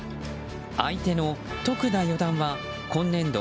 相手の徳田四段は今年度